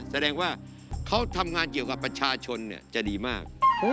แสดงว่าเขาทำงานเกี่ยวกับประชาชนจะดีมาก